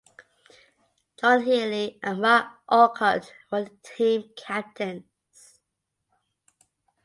John Healy and Marc Orcutt were the team captains.